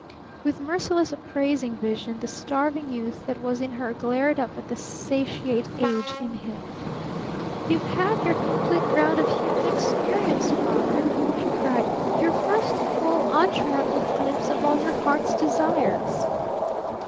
With mercilessly appraising vision the starving Youth that was in her glared up at the satiate Age in him. "You've had your complete round of human experience, Father!" she cried. "Your first full untrammeled glimpse of all your Heart's Desires.